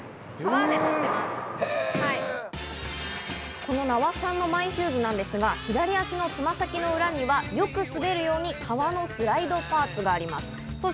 この名和さんのマイシューズなんですが、左足のつま先の裏にはよく滑るように、革のスライドパーツがあります。